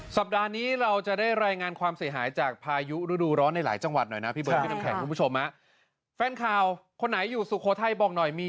สัปดาห์นี้เราจะได้รายงานความเสียหายจากพายุฤดูร้อนในหลายจังหวัดหน่อยนะพี่เบิร์พี่น้ำแข็งคุณผู้ชมแฟนข่าวคนไหนอยู่สุโขทัยบอกหน่อยมี